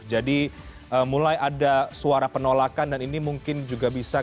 jadi mulai ada suara penolakan dan ini mungkin juga bisa kita